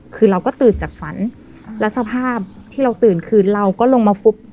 คือเราก็ตื่นจากฝันแล้วสภาพที่เราตื่นคือเราก็ลงมาฟุบ